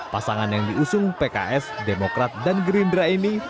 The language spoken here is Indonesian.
pasangan yang diusung pks demokrat dan gerindra ini